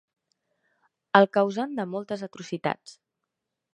El causant de motles atrocitats.